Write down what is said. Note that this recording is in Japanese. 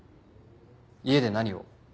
家で何を？